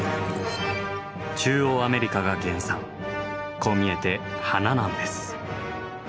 こう見えて「花」なんです。